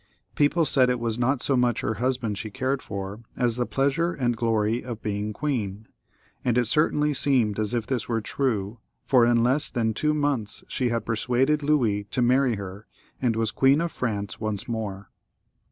People said it was not so much her husband she cared for as the pleasure and glory of being queen ; and it certainly seemed as if this were true, for in less than two months she had persuaded Louis to marry her, and was Queen of France once more.